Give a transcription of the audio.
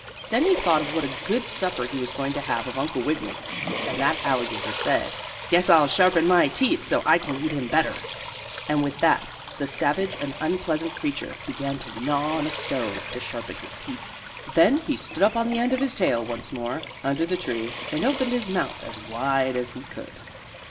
Then he thought of what a good supper he was going to have of Uncle Wiggily, and that alligator said: "I guess I'll sharpen my teeth so I can eat him better," and with that the savage and unpleasant creature began to gnaw on a stone, to sharpen his teeth. Then he stood up on the end of his tail once more, under the tree, and opened his mouth as wide as he could.